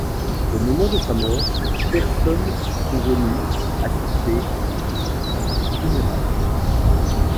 Au moment de sa mort, personnes sont venues assister à ses funérailles.